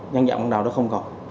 nhân dạng bắt đầu nó không còn